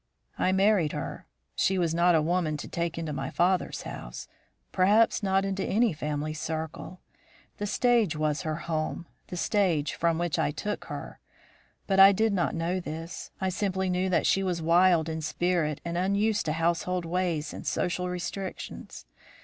"I married her. She was not a woman to take into my father's house; perhaps not into any family circle. The stage was her home, the stage from which I took her; but I did not know this; I simply knew that she was wild in spirit, and unused to household ways and social restrictions.